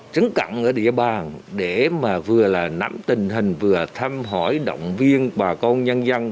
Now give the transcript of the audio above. trấn cặn ở địa bàn để mà vừa là nắm tình hình vừa thăm hỏi động viên bà con nhân dân